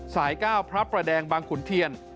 ๙พระประแดงบางขุนเทียน